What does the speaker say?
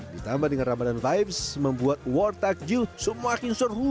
ditambah dengan ramadan vibes membuat war takjil semakin seru